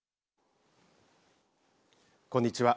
こんにちは。